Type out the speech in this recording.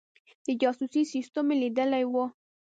د جاسوسي سسټم لیدلی وو.